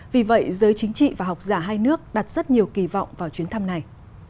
vì vậy giới chính trị và học giả hai nước đặt rất nhiều kỳ vọng vào chuyến thăm này